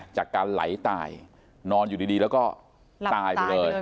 จากการไหลตายนอนอยู่ดีแล้วตาย